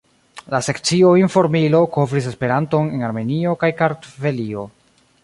La sekcio "Informilo" kovris Esperanton en Armenio kaj Kartvelio.